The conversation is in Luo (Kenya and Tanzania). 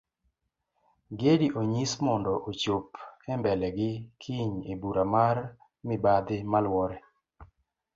Gedi onyis mondo ochop embelegi kiny ebura mar mibadhi maluore